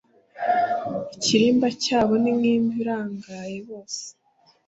Ikirimba cyabo ni nk imva irangaye bose